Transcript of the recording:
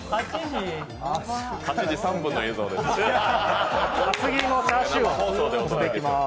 ８時３分の映像です。